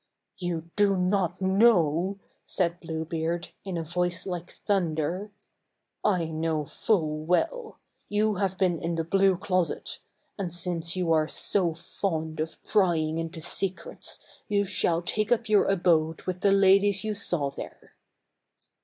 " You do not know ?" said Blue Beard, in a voice like thun der. " I know full well. You have been in the Blue Closet. And since you are so fond of prying into secrets, you shall take up your abode with the ladies you saw there!"